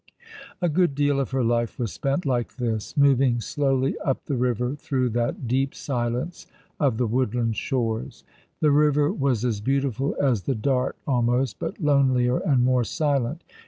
A good deal of her life was spent like this, moving slowly up the river through that deep silence of the woodland shores. The river was as beautiful as the Dart almost, but lonelier and more silent.